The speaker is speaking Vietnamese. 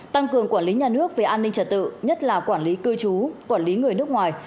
tăng cường quản lý nhà nước về an ninh trật tự nhất là quản lý cư trú quản lý người nước ngoài